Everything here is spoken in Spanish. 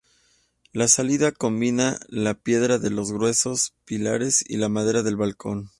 La salida combina la piedra de los gruesos pilares y la madera del balcón.